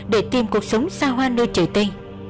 để tìm cuộc sống xa hoa nơi trời tây